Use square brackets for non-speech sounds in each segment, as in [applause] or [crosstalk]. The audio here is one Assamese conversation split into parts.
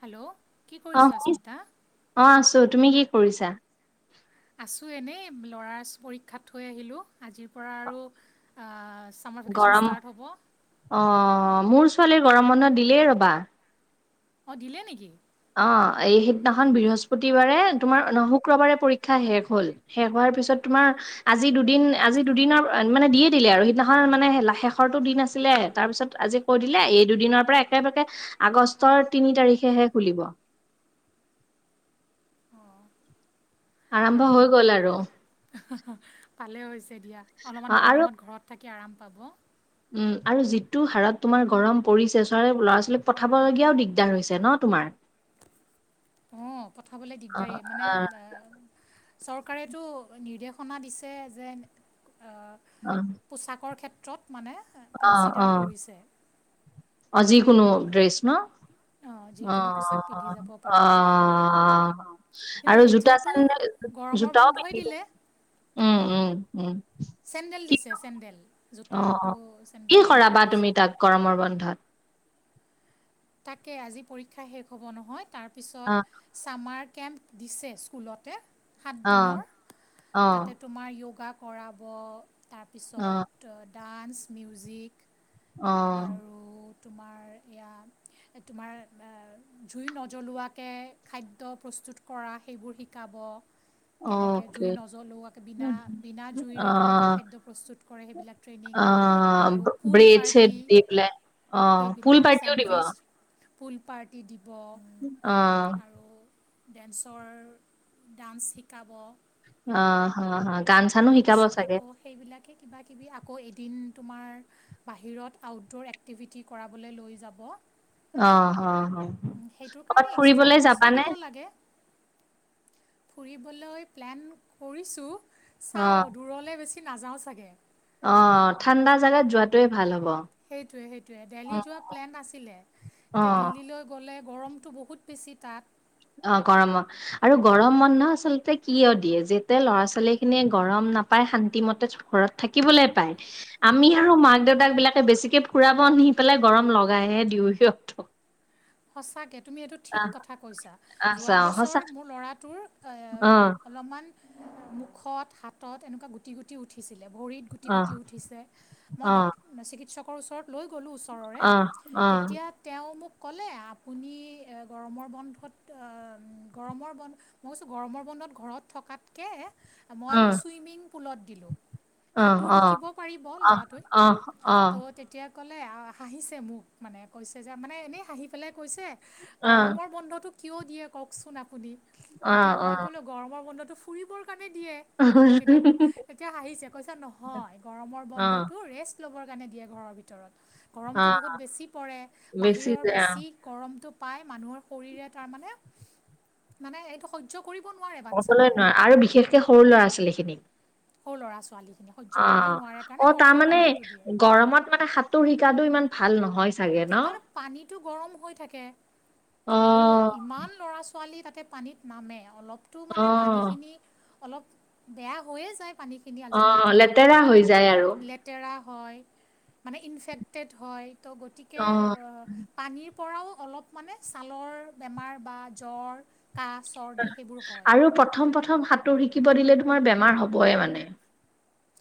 হেল্ল' কি অ কৰিছা শুনিছ অস্মিতা? অ', আছো, তুমি কি কৰিছা? আছোঁ এনেই ল'ৰা পৰীক্ষাত থৈ আহিলোঁ, আজিৰ পৰা আৰু আৰু আ গৰম অ', মোৰ ছোৱালীৰ গৰম বন্ধ দিলেই ৰ'বা। অ', দিলে নেকি? অ', এই সিদিনাখন বৃহস্পতিবাৰে, তোমাৰ শুক্ৰবাৰে পৰীক্ষা শেষ হল। শেষ হোৱাৰ পিছত তোমাৰ আজি দুদিন, আজি দুদিনৰ মানে দিয়ে দিলে আৰু। সিদিনাখন মানে শেষৰটো দিন আছিলে, তাৰ পিছত আজি কৈ দিলে, এই দুদিনৰ পৰা একেবাকে আগষ্টৰ তিনি তাৰিখেহে খুলিব। আৰম্ভ হৈ গ'ল আৰু। [unintelligible] ভালেই হৈছে দিয়া, অ অলমান আৰু গৰমত ঘৰত থাকি আৰাম পাব। উম, আৰু যিটো হাৰত তোমাৰ গৰম পৰিছে, চ ল'ৰা-ছোৱালীক পঠাব লগীয়াও দিগদাৰ হৈছে নহ তোমাৰ? অ', পঠাবলৈ অ দিগদাৰী মানে অ এ চৰকাৰেতো নিৰ্দেশনা দিছে যে, অ অ'। পোচাকৰ ক্ষেত্ৰত মানে অ অ কনচিডাৰ কৰিছে। অ, জি কোনো ড্ৰেছ ন। অঁ, যিকোনো অ', পোচাক পিন্ধি যাব অ', পাৰিব অ', কিন্তু আৰু জোতা, এতিয়াতো চেণ্ডেল গৰমৰ বন্ধই দিলে। উম, উম, উম। চেণ্ডেল কি দিছে, চেণ্ডেল, অ অ জোতাটো, কি চেণ্ডেল পিন্ধিব কৰাবা দিছে। তুমি তাক গৰমৰ বন্ধত। তাকে আজি পৰীক্ষা শেষ হ'ব নহয় অ তাৰপিছত ছামাৰ কেম্প দিছে স্কুলতে অ সাতদিনৰ অ তাতে তোমাৰ য়োগা কৰাব অ তাৰপিছত ডান্স, মিউজিক অ'। আৰু তোমাৰ এয়া তোমাৰ জুই নজ্বলোৱাকে খাদ্য প্ৰস্তুত কৰা সেইবোৰ শি কাব কেনেকে জুই অকে নজলোৱাকে বিনা, বিনা অ জুইৰে কেনেকে খাদ্য প্ৰস্তুত কৰে সেইবিলাক ট্ৰেইনিং অ আৰু ফুল ব্ৰেড চেড পাৰ্টি দি পেলাই অ পুল সেইবিলাক পাৰ্টিও দিব অ চেণ্ডউইচ ফুল পাৰ্টি দিব। অ'। আৰু ডেন্সৰ, ডান্স শিকাব। অ, হ, হ। গান চানো শিকাব তাৰপিছত চাগে আকৌ সেইবিলাকে কিবা কিবি আকৌ এদিন তোমাৰ বাহিৰত আউটড'ৰ এক্টিভিটি কৰাবলৈ লৈ যাব। অ অ অ সেইটোৰ ক'ৰবাত কাৰণে এক্সট্ৰা ফুৰিবলৈ পইচা যাবানে দিব লাগে। ফুৰিবলৈ প্লেন কৰিছোঁ অ চাওঁ দূৰলে বেছি নাযাওঁ চাগে। অ, ঠাণ্ডা জাগাত যোৱাটোৱে ভাল হ'ব। সেইটোৱে, সেইটোৱে দেলহি যোৱা প্লেন আছিলে এতিয়া অ', দিল্লীলৈ গ'লে গৰমটো বহুত বেছি তাত। অ, গৰম অ'। আৰু গৰম বন্ধ আচলতে কিয় দিয়ে যেতিয়া ল'ৰা-ছোৱালী খিনিয়ে গৰম নাপাই শান্তিমতে ঘৰত থাকিবলৈ পায় আমি আৰু মাক-দেউতাক বিলাকে বেছিকে ফুৰাব নি পেলাই গৰম লগাইহে দিওঁ সিহঁতক। সঁচাকৈ তুমি এইটো ঠিক আহ কথা কৈছা আহ যোৱা চাওঁ বছৰ সঁচা মোৰ ল'ৰাটোৰ অ', অলপমান মুখত হাতত এনেকুৱা গুটি, গুটি উঠিছিলে ভৰিত গুটি, অ', গুটি উঠিছে মই ড অ', চিকিৎসকৰ ওচৰত লৈ গ'লোঁ ওচৰৰে অ', অ', তেতিয়া তেওঁ মোক ক'লে আপুনি গৰমৰ বন্ধত, গৰমৰ বন্ধ মই কৈছোঁ গৰমৰ বন্ধত ঘৰত থকাতকে মই অ', ছুইমিং পুলত দিলোঁ। অ', অ', সাঁতোৰ অ', শিকিব পাৰিব অ', ল'ৰাটোৱত অ', অ', ত' এতিয়া ক'লে হাঁহিছে মোক মানে কৈছে যে মানে এনেই হাঁহি পেলাই কৈছে অ', গৰমৰ বন্ধটো কিয় দিয়ে কওকচোন আপুনি এতিয়া মই অ', গ'ল গৰমৰ বন্ধটো ফুৰিবৰ কাৰণে দিয়ে। সেইকেইদিন এতিয়া হাঁহিছে কৈছ নহয় গৰমৰ অ', বন্ধতটো ৰেষ্ট ল'বৰ কাৰণে দিয়ে ঘৰৰ ভিতৰত। গৰমটো অ', বহুত বেছি পৰে! বেছি বাহিৰৰ যায় অ', বেছি গৰমটো পাই মানুহৰ শৰী তাৰ মানে, মানে এইটো স [unintelligible] কৰিব নোৱাৰে। ক'বলৈ বাচ্ছাবিলাকে নোৱাৰ আৰু বিশেষকে সৰু ল'ৰা-ছোৱাল স এইখিনিক সৰু ল'ৰা-ছোৱালী খিনক অ', অ', দিয়ে তাৰমানানে গৰমত মানে সাঁতোৰ শিকা ইমান ভাল নহয়। চাগে ন? তাৰ পানীটো গৰম হৈ থাকে অ', আৰু ইমান ল'ৰা-ছোৱালী তাতে পানীত নামে অলপতো মানে অ', পানীখিনি অলপ বেয়া হৈয়ে যায় পানী খিনি অ', আল্টিমেটলি অলপ লেতেৰা হৈ যায় আৰু। লেট তেৰা হয় মানে ইনফেক্টেড হয় ত' অ', গতিকে পানীৰ পৰাও অলপ মানে ছালৰ বেমাৰ বা জ্বৰ কাঁহ চৰ্দি সেইবোৰ হয়। প্ৰথম প্ৰথম প্ৰথম সাঁতোৰ শিকিব দিলে তোমাৰ বেমাৰ হবয়ে মানে।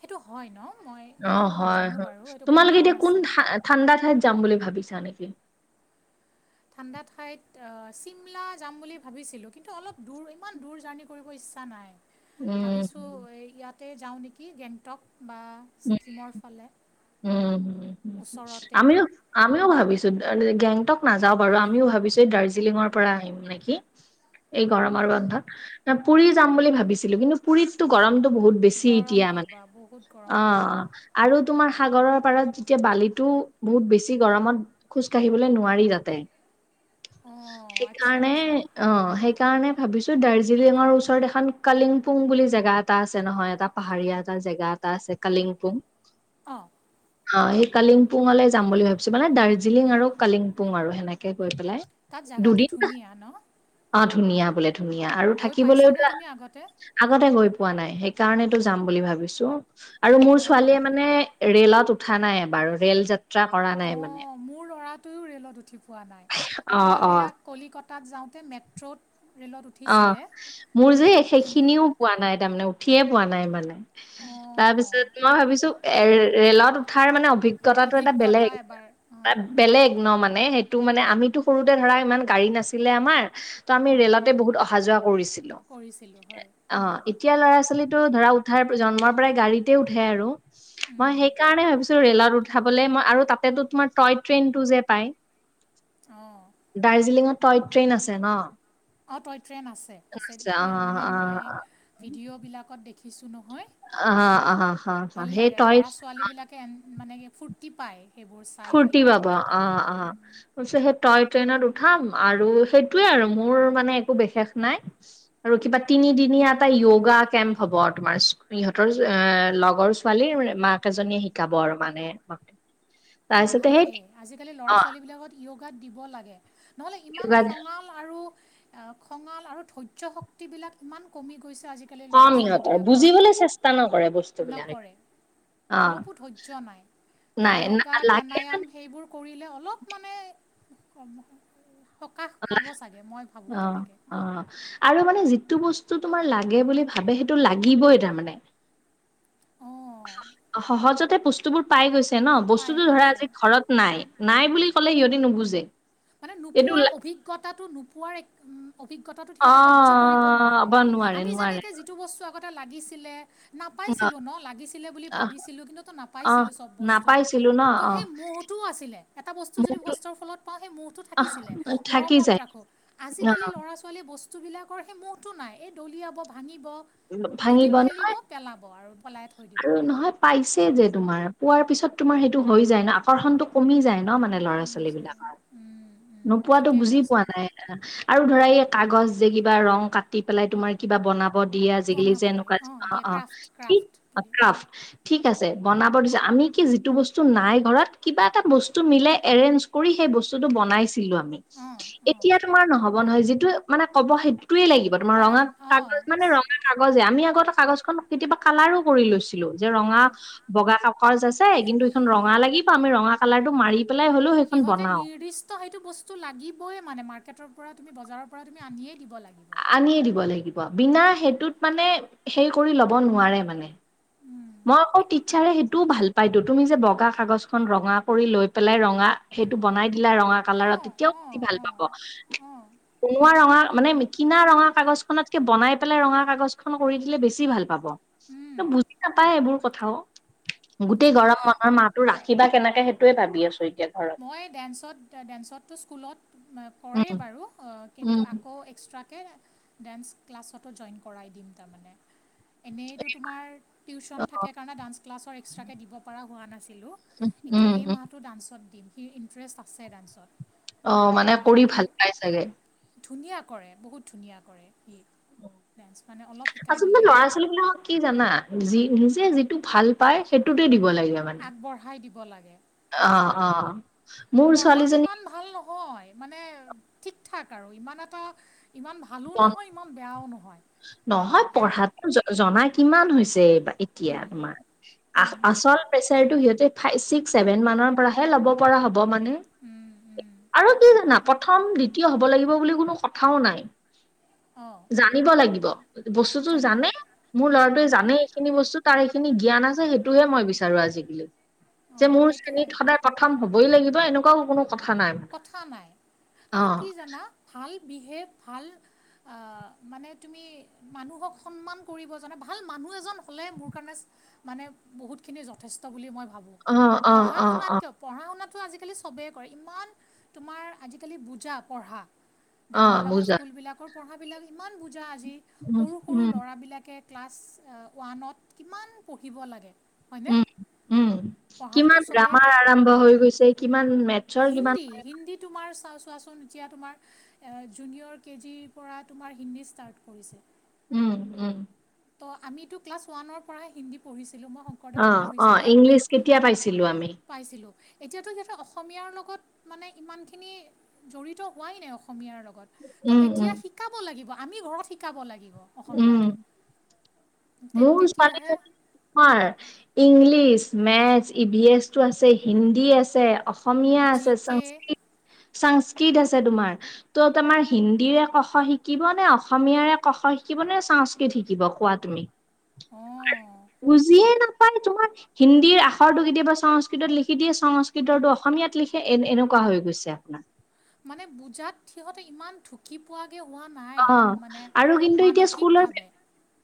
সেইটো হয় ন মই সেইটো অ', হয় নাজানো হয় বাৰু সেইটো গম তোমালোকে পোৱা এতিয়া কোন নাছিলোঁ ঠাণ্ডা ঠাইত যাম বুলি ভাবিছা নেকি? ঠাণ্ডা ঠাইত অ', চিমলা যাম বুলি ভাবিছিলো কিন্তু অলপ দূৰ ইমান দূৰ জাৰ্ণি কৰিব ইচ্ছা নাই। উম, ভাবিছোঁ ইয়াতে যাওঁ নেকি গেংটক বা উম, ছিকিমৰ ফালে। উম, হুম ওচৰতে আমিও আমিও ভাবিছো গেংটক নাযাওঁ বাৰু আমিও ভাবিছো এই দাৰ্জিলিঙৰ পৰা আহিম নেকি এই গৰমৰ বন্ধত পুৰি যাম বুলি ভাবিছিলো কিন্তু পুৰীততো গৰমতটো বহুত বেছি গৰম এতিয়া মানে পাবা বহুত গৰম পাবা অ', আৰু তোমাৰ সাগৰৰ পাৰত যেতিয়া বালিো বহুত বেছি গৰমত খোজ কাঢ়িবলৈ নোৱাৰি যাতে অঁ আচ্ছা সেইকাৰণে আচ্ছা অ', সেই সেই কাৰণে ভাবিছো দাৰ্জিলিঙৰ ওচৰত এখন কলিংগপুং বুলি জেগা এটা আছে নহয় এটা পাহাৰীয়া এটা জেগাত ত আছে কালিংপোং। অঁ'। অ', সেই কালিংপুংলৈ যাম বুলি ভাবিছো মানে দাৰ্জিলিং আৰু কালিংপুং আৰু সেনেকে গৈ পেলাই তাত জোগাটো দুদিন ধুনীয়া ন? অ', ধুনীয়া বোলে ধুনীয়া আৰু গৈ পাইছানে থাকিবলেওতো তুমি আগতে আগতে গৈ পোৱা নাই সেইকাৰণো যাম বুলি ভাবিছো আৰু মোৰ অঁ ছোৱালীয়ে মানে ৰেলত উঠা নাই বাৰু ৰেল যাত্ৰা কৰা নাই মানে। অঁ মোৰ ল'ৰাটোৱেও ৰে'লত উঠি পোৱা নাই অ', অকল অ'। এয়া কলিকতাত যাওঁতে মেট্ৰ'ত ৰে'লত অ', উঠিছিলে মোৰ যে কিন্তু সেইখিনিও পোৱা নাই তাৰমানে উঠিয়ে পোৱা নাই মানে তাৰ অঁ পিছত মই ভাবিছো এ ৰেলত উঠাৰ মানে অভিজ্ঞতাটো এটা অভিজ্ঞতা বেলেগ এবাৰ এ অঁ বেলেগ ন মানে সেইটো মানে আমিতো সৰুতে ধৰা ইমান গাড়ী নাছিলে আমাৰ উম, তাতে বহুত অহা যোৱা কৰিছিলো কৰিছিলোঁ হয় উম, অ'। এতিয়া ল'ৰা ছোৱালীতো ধৰা উঠাৰ জন্মৰ পৰাই গাড়ীতে উঠে আৰু। মই উম, সেই কাৰণে ভাবিছো ৰেলত উঠাবলে মই আৰু তাতেতো তোমাৰ টয় ট্ৰেইনটো যে পাই। অ'। দাৰ্জিলিঙত টয় ট্ৰেইন আছে ন? অঁ', টয়ট্ৰেন আছে আছে অ', মানে অ', ভিডিঅ'বিলাকত দেখিছোঁ নহয়। অ', অ', হা হা সেই টই [unintelligible] কেন মানে ফূৰ্তি পায় সেইবোৰ চাই ফূৰ্তি পেলাই পাব উঠি অ', পেলাই। অ'। সেই তই ট্ৰেইনত উঠা আৰু সেইটোৱে আৰু মোৰ মানে একো বিশেষ নাই। আৰু কিবা তিনিদিনীয়া এটা য়োগা কেম্প হব আৰু তোমাৰ ইহঁতৰ লগৰ ছোৱালীৰ মাক এজনীয়ে শিকাব আৰু মানে। অ', তাৰপিছতে সেই ভালেই আজিকালি ল'ৰা অ', ছোৱালী বিলাকত য়োগাত দিব লাগে নহ'লে ইমান য়োগা খঙাল খঙাল আৰু ধৰ্য শক্তি বিলাক ইমান কমি গৈছে আজি কা আজিকালিৰ ল'ৰা কম ইহঁতৰ ছোৱালীবিলাকৰ বুজিবলৈ চেষ্টা নকৰে বস্তুবিলাক নকৰে। অ' অলপো ধৈৰ্য্য নাই ত' নাই য়োগা যোগা লাগে প্ৰাণায়াম মানে সেইবোৰ কৰিলে অলপ মানে ক সকাহ পাব চাগে মই ভাবোঁ অ' তেনেকৈ। অ' আৰু মানে যিটো বস্তু তোমাৰ লাগে বুলি ভাবে সেইটো লাগিবই তাৰমানে। অঁ'। সহজতে বস্তু বোৰ পাই গৈছে ন পাই বস্তুতো ধৰা গৈছে আজি ঘৰত নাই, নাই বুলি ক'লে সিহঁতি নুবুজে। মানে এইটো নোপোৱাৰ অভিজ্ঞতাটো নোপোৱাৰ এক উম। অভিজ্ঞতাটো সিহঁতে সয্য কৰিব অ' নোৱাৰে অ' নোৱাৰে আমি নোৱাৰে যেনেকে যিটো বস্তু আগতে লাগিছিলে। নাপাইছিলোঁ ন লাগিছিলে বুলি অ' ভাবিছিলোঁ কিন্তুো অ' নাপাইছিলোঁ চ'ব বস্তু। নাপাইছিলো ন ত' অ' সেই মোহটোও আছিলে এটা বস্তু যদি মোৰতো কষ্টৰ ফলত। অ' হেই মোহটো আহ থাকিছিলে থাকি মৰমত যায় ৰাখোঁ আজি অ কালি ল'ৰা। ল'ৰা ছোৱালী বস্তুবিলাকৰ সেই মোহটো নাই এই দলিয়াব ভাঙিব। ভাঙিব দুদিন ন খেলিব পেলাব আৰু পেলাই থৈয় দিব। আৰু নহয় পাইছে যে তোমাৰ পোৱাৰ পিছত তোমাৰ সেইটো হৈ যায় ন আকৰ্ষণতটো কমি যায় ন মানে ল'ৰা আমি ছোৱালী যে বিলাকৰ নোপোৱাটো ঠিকেই বুজি পোৱা কৈছা নাই। আৰু ধৰা এই কাগজ যে কিবা ৰং কাটি পেলাই তোমাৰ কিবা বনাব দিয়ে আজিকালি বনাব যে দিয়ে এনেকুৱা অঁ অ' দিয়ে অ' ক্ৰাফ্ট কি ক্ৰাফ্ট অ' বুলি কাৰফ। ঠিক আছে, বনাব দিছ আমি কি যিটো বস্তু নাই ঘৰত কিবা এটা বস্তু মিলাই এৰেজ কৰি সেই বস্তুটো বনাইছিলোঁ আমি। অঁ অঁ এতিয়া তোমাৰ নহ'ব নহয়, যিটো মানে ক'ব সেইটোয়ে লাগিব তোমাৰ পা ৰঙা অঁ কাগজ মানে ৰঙা। কাগজে আমি আগতে কাগজ খন কেতিয়াবা কালাৰো কৰি লৈছোঁ। যে ৰঙা অঁ বগা কাকজ আছে, কিন্তু এইখন ৰঙা লাগিব আমি ৰঙা কালাৰ টো মাৰি। পেলাই হ'লেও সেইখন বনাও। তো সেইটো বস্তু লাগিবই মানে মাৰ্কেটৰ পৰা তুমি বজাৰৰ পৰা তুমি আনিয়েই দিব লাগিব। আনিয়ে দিব লাগিব, বিনা সেইটোত মানে সেই কৰি ল'ব নোৱাৰে মানে উম। মই আকৌ টিচাৰে সেইটোও ভাল পাই টো তুমি যে বগা কাগজখন ৰঙা কৰি লৈ পেলাই ৰঙা সেইটো বনাই দিলা ৰঙা অঁ কালাৰত তেতিয়াও অঁ বেছি ভাল অঁ পাব। অঁ বনোৱা ৰঙা মানে মিকিনা ৰঙা কাগজখনত বনাই পেলাই ৰঙা কাগজ খন কৰি দিলে বেছি ভাল পাব বুজি নাপায় এইবোৰ কথাও। গোটেই বুজি গৰম বন্ধৰ মাহটো ৰাখিবা কেনেকে সেইটোয়ে ভাবি আছোঁ এতিয়া ঘৰত। মই ডেন্সত ডেন্সততো স্কুলত কৰে উম, বাৰু কিন্তু উম, আকৌ এক্সট্ৰা। তাকে ডেন্স ক্লাছতো জইন কৰাই দিম তাৰমানে। এনেইতো তোমাৰ টিউচন থাকে কাৰণে ডান্স ক্লাছৰ এক্সট্ৰাকৈ দিব পৰা হোৱা নাছিলোঁ। উম, উম। টো ডান্সত দিম সি ইণ্টাৰেষ্ট আছে ডান্সত। অ'মানে কৰি আৰু ভাল পাই চাগে। ধুনীয়া কৰে, বহুত ধুনীয়া কৰে, ই ডেন্ঞ্চ মানে অলপ শিকাই আচলতে দিলেই ল'ৰা হয়। ছোৱালী বিলাকক কি জানা যি নিজে যিটো ভাল পায়। সেইটোত দিব লাগে। মানে। আগবঢ়াই দিব লাগে। অ', সেইটোৱে অ'। মোৰ পঢ়াত ছোৱালীজনী ইমান ভাল নহয়। নহয়। মানে ঠিক ঠাক আৰু ইমান এটা ইমান ভালো নহয়। ইমান বেয়াও নহয়। নহয়। হে পঢ়াতো জনা কিমান হৈছে এইবাৰ। এতিয়া উম, তোমাৰ আ উম, আচল প্ৰেচাৰটো সিহঁতে। ফাইভ ছিক্স ছেভেন মানৰ পৰাহে ল'ব পৰা হ'ব মানে। উম, উম। আৰু কি জানা প্ৰথম দ্বিতীয় হ'ব লাগিব বুলি কোনো কথাও নাই। অ' জানিব লাগিব, বস্তুতটো জানে মোৰ ল'ৰাটোৱে অঁ জানেই এইখিনি বস্তু তাৰ এইখিনি জ্ঞান আছে। সেইটোহে মই বিচাৰো আজিকালি। যে অঁ মোৰ সেইটোৱে শ্ৰেণীত সদায় প্ৰথম হবই লাগিব। এনেকুৱাও কোনো কথা নাই মানে কথা নাই অ আৰু কি জানা ভাল বিহেভ ভাল। অহ মানে তুমি মানুহক সন্মান কৰিব জানে ভাল মানুহ এজন হ'লে মোৰ কাৰণে মানে বহুতখিনি যথেষ্ট বুলি মই ভাবোঁ। অ অ পঢ়া অ শুনাত অ কিয়। পঢ়া শুনাটো আজিকালি চবেই কৰে ইমান তোমাৰ আজিকালি বুজা পঢ়া। অ ডাঙৰ ডাঙৰ বুজা স্কুলবিলাকৰ পঢ়াবিলাক ইমান বুজা আজি উম সৰু সৰু উম ল'ৰাবিলাকে ক্লাছ ওৱানত কিমান পঢ়িব লাগে। হয়নে উম, উম পঢ়াটোতো কিমান চবেই গ্ৰামাৰ আৰম্ভ হৈ গৈছে কিমান ম হিন্দী হিন্দী তোমাৰ চা চোৱাচোন এতিয়া তোমাৰ জুনিয়ৰ কেজিৰ পৰা তোমাৰ হিন্দী ষ্টাৰ্ট কৰিছে। উম, উম। ত' আমিতো ক্লাছ ৱানৰ পৰাই হিন্দী পঢ়ি মই সং অ', অ, ইংলিছ কেতিয়া পাইছিলো আমি? পাইছিলো। এতিয়াতো যাতে অসমীয়াৰ লগত মানে ইমানখিনি জড়িত হোৱাই নাই অসমীয়াৰ লগত। ত উম, উম, এতিয়া শিকাব লাগিব আমি ঘৰত শিকাব লাগিব উম, অসমীয়াতটো। মোৰ ছোৱালীজনী আমাৰ ইংলিছ মেথছ ই ভি এছটো আছে, হিন্দী আছে। অসমীয়া জি আছে, কে সংস্কৃত সংস্কৃত আছে তোমাৰ। ত' তোমাৰ হিন্দীৰে ক খ শিকিব নে অসমীয়াৰে ক খ শিকিব নে সংস্কৃত শিকিব কোৱা তুমি। অ'। বুজিয়ে নাপায় তোমাৰ হিন্দীৰ আখৰটো কেতিয়াবা সংস্কৃতত লিখি দিয়ে সংস্কৃতটো অসমীয়াত লিখে এ এনেকুৱা হৈ গৈছে। মানে বুজাত সিহঁতে ইমান ধু ধুকি পোৱা গৈ হোৱা নাই অ', মানে আৰু কিন্তু এতিয়া স্কুলৰ মানসিকভাৱে।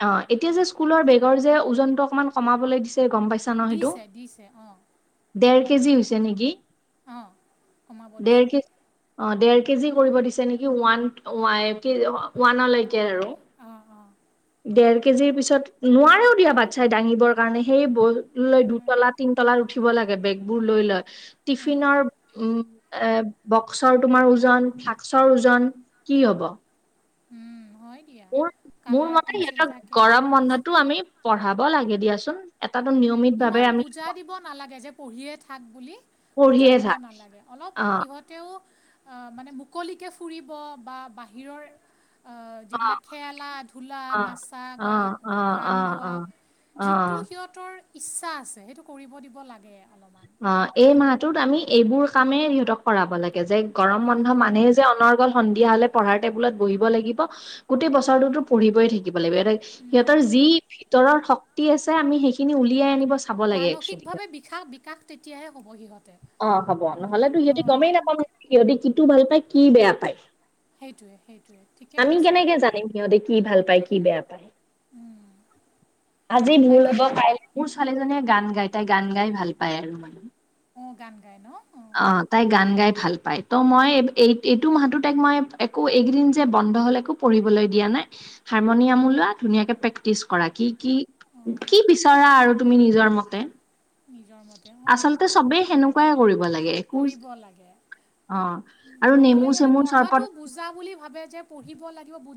অ', এতিয়া যে স্কুলৰ বেগৰ যে ওজনতটো অকনমান কমাবলৈ দিছে গম পাইছা। ন সেইটো দিছে দিছে অ'। দেৰ কেজি হৈছে নেকি অঁ কমাব দেৰ দিছে কেজ অ', দেৰ কেজি কৰিব দিছে নেকি ওৱান ৱ ওৱানলৈকে আৰু। অ', অ'। ডেৰ কেজিৰ পিছত নোৱাৰেও দিয়া বাতচাই দাঙিব কাৰণে সেই বৈ লৈ নোৱাৰে দুইতলা তিন তলাত উঠিব লাগে বেগবোৰ লৈ লৈ। অঁ টিফিনৰ উম এ বক্সৰ তোমাৰ ওজন ফ্লাস্সৰ ওজন। কি হ'ব? উম, হয়। দিয়া মোৰ মোৰ কালাৰ মতে পেঞ্চিল সিহঁতৰ থাকে গৰম কপিজ বন্ধতো আমি পঢ়াব লাগে। দিয়াচোন। এটাতো নিয়মিত ভাৱে ইমান আমি বুজা দিব নালাগে যে পঢ়িয়ে থাক বুলি বুজা পঢ়িয়ে দিব থাক নালাগে। অলপ অ', সিহঁত তেওঁ মানে মুকলিকে ফুৰিব বা বাহিৰৰ যিবিলাক খেলা ধূলা অ', নাচা গা অ', অ', গান অ', গোৱা। অ', যিটো অ', সিহঁতৰ ইচ্ছা আছে সেইটো কৰিব দিব লাগে অলপমান। অ', এই মাহটোত আমি এইবোৰ কামেই সিহঁতক কৰাব লাগে যে গৰম বন্ধ মানহে যে অনৰ্বত সন্ধিয়া হ'লে পঢ়াৰ টেবুলত বহিব লাগিব গোটেই বছৰোতো পঢ়িবই থাকিব লাগিব সহঁতে উম, সিহতৰ যি ভিতৰৰ শক্তি আছে আমি সেইখিনি উলিয়াই আনিব চাব লাগে একচুৱেলি। মানসিকভাৱে বিকাশ বিকাশ তেতিয়াহে সিহঁত। অ', হ'ব নহ'লেতো সিহঁতে গমেই নাপাওঁ সিহঁতি কিনটো ভাল পায় কি বেয়া পায়। সেইটোৱে সেইটোৱে। ঠিকে আমি কৈছা কেনেকে জানিম সিহঁতে কি ভাল পায় কি বেয়া পায়। উম, আজি ভুল তাকে হ'ব পাৰে। মোৰ ছোৱালীজনীয়ে গান গাই তাই গান গাই ভাল পায় আৰু। অ', গান গাই ন অ'। অ', তাই গান গাই ভাল পায় ত মই এই এইটো মাহটো তাইক মই একো এইকেইদিন যে বন্ধ হ'লে একো পঢ়িবলৈ দিয়া নাই। হাৰমনিয়াম ওলোৱা ধুনীয়াকে প্ৰেক্টিচ কৰা। কি কি অঁ কি বিচৰা আৰু তুমি নিজৰ মতে। নিজৰ মতে। অঁ আচলতে চবেই সেনেকুৱাই কৰিব লাগে, একো কৰিব লাগে অ', আৰু নেমু চেমুৰ চৰবত। পুজা বুলি ভাবে যে পঢ়িব লাগি বুজ